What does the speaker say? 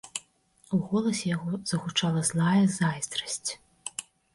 У голасе яго загучала злая зайздрасць.